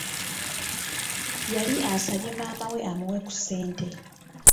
Yali asabye maama we amuwe ku ssente.